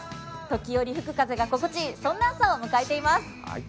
時折吹く風が心地いいそんな朝を迎えています。